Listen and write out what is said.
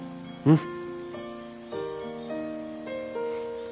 うん。